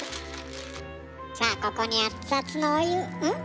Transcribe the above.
さあここに熱々のお湯ん？